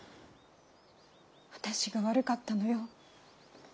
私が悪かったのよ。